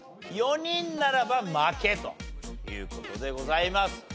４人ならば負けという事でございます。